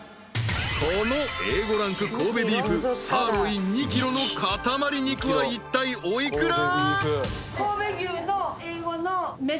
［このＡ５ランク神戸ビーフサーロイン２ｋｇの塊肉はいったいお幾ら？］